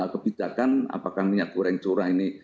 kebijakan apakah minyak goreng curah ini